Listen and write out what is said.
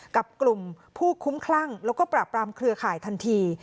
กับกลุ่มผู้คุ้มคลั่งแล้วก็ปราบรามเครือข่ายทันที